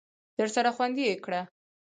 درسره خوندي یې کړه !